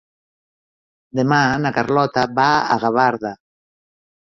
Demà na Carlota va a Gavarda.